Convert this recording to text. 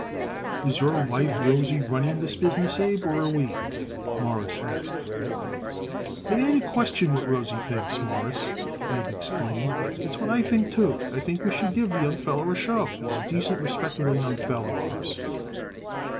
"Is your wife Rosie running this business, Abe, or are we?" Morris asked. "It ain't a question what Rosie thinks, Mawruss," Abe explained; "it's what I think, too. I think we should give the young feller a show. He's a decent, respectable young feller, Mawruss."